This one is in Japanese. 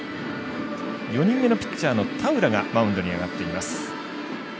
４人目のピッチャーの田浦がマウンドに上がっています。